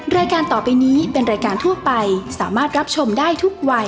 รายการต่อไปนี้เป็นรายการทั่วไปสามารถรับชมได้ทุกวัย